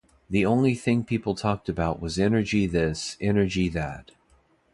The only thing people talked about was energy this, energy that.